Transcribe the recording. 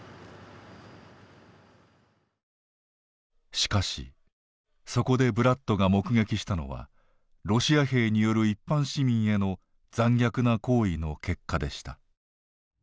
しかしそこでブラッドが目撃したのはロシア兵による一般市民への残虐な行為の結果でした。